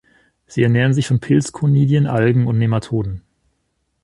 Sie ernähren sich von Pilz-Konidien, Algen und Nematoden.